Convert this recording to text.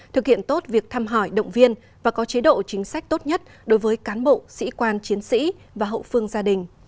thực hiện tốt việc thăm hỏi động viên và có chế độ chính sách tốt nhất đối với cán bộ sĩ quan chiến sĩ và hậu phương gia đình